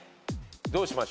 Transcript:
どうしましょうか？